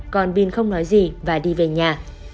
còn pin không nói gì và đi về nhà